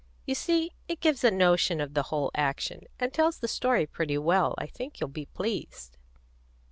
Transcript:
You see, it gives a notion of the whole action, and tells the story pretty well. I think you'll be pleased."